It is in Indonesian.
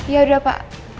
ya udah pak